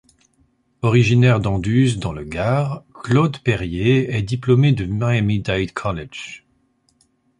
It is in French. Originaire d'Anduze dans le Gard, Claude Perrier est diplômé de Miami Dade College.